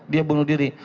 dia bunuh diri